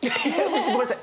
ごめんなさい